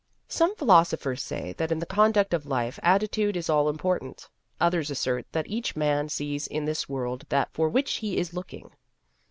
Some philosophers say that in the conduct of life attitude is all important. Others assert that each man sees in this world that for which he is looking.